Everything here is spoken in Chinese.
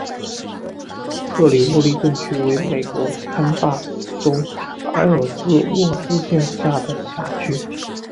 特里沃利镇区为美国堪萨斯州埃尔斯沃思县辖下的镇区。